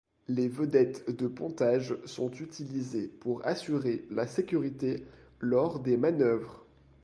Les vedettes de pontage sont utilisées pour assurer la sécurité lors des manœuvres.